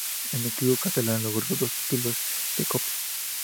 En el club catalán logró dos títulos de Copa.